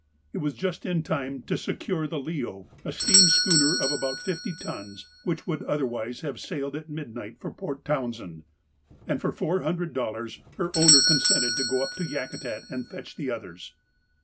I was just in time to secure the 'Leo,' a steam schooner of about fifty tons, which would otherwise have sailed at midnight for Port Townsend, and for four hundred dollars her owner consented to go up to Yakutat and fetch the others.